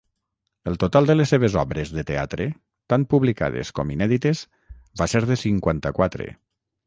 El total de les seves obres de teatre, tant publicades com inèdites, va ser de cinquanta-quatre.